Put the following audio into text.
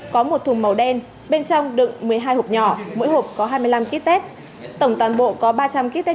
có một thùng màu đen bên trong đựng một mươi hai hộp nhỏ mỗi hộp có hai mươi năm kít tét tổng toàn bộ có ba trăm linh kít tét